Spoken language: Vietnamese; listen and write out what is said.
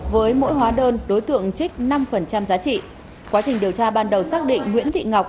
với mỗi hóa đơn đối tượng trích năm giá trị quá trình điều tra ban đầu xác định nguyễn thị ngọc